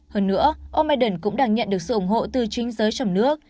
hơn nữa ông biden cũng đang nhận được sự ủng hộ từ chính giới trong nước